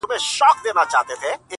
د هوا له لاري صحنه ثبتېږي او نړۍ ته ځي-